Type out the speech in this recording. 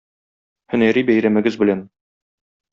Һөнәри бәйрәмегез белән!